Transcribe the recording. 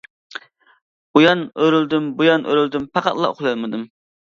ئۇيان ئۆرۈلدۈم بۇيان ئۆرۈلدۈم پەقەتلا ئۇخلىيالمىدىم.